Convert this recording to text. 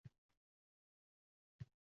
Masalan, Davlat ekologiya qo‘mitasi xodimlariga